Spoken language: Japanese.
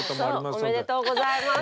おめでとうございます。